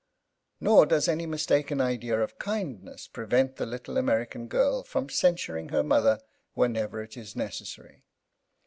” Nor does any mistaken idea of kindness prevent the little American girl from censuring her mother whenever it is necessary.